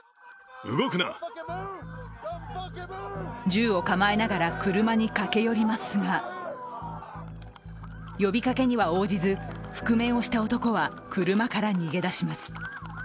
銃を構えながら車に駆け寄りますが、呼びかけには応じず覆面をした男は車から逃げ出します。